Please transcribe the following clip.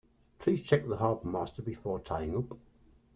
Please check with the harbourmaster before tying up